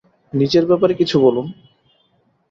নিজের ব্যাপারে কিছু বলুন।